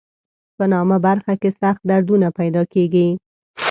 په نامه برخه کې سخت دردونه پیدا کېږي.